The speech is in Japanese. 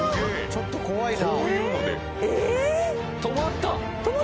ちょっと怖いな。